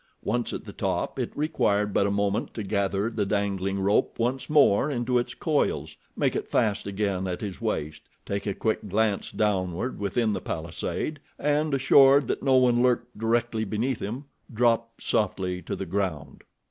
Once at the top it required but a moment to gather the dangling rope once more into its coils, make it fast again at his waist, take a quick glance downward within the palisade, and, assured that no one lurked directly beneath him, drop softly to the ground.